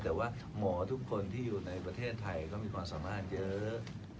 แต่ว่าหมอทุกคนที่อยู่ในประเทศไทยก็มีความสามารถเยอะ